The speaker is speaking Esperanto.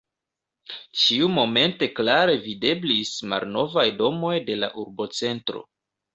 Ĉiumomente klare videblis malnovaj domoj de la urbocentro.